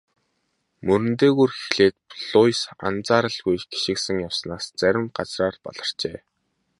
Мөрөн дээгүүр эхлээд Луис анзааралгүй гишгэлэн явснаас зарим газраар баларчээ.